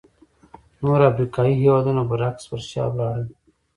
نور افریقایي هېوادونه برعکس پر شا لاړل.